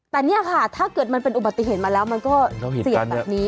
แต่เนี่ยค่ะถ้าเกิดมันเป็นอุบัติเหตุมาแล้วมันก็เสี่ยงแบบนี้